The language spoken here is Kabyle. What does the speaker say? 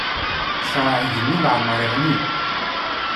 Ccṛeɛ igenni leɛmeṛ iɣli.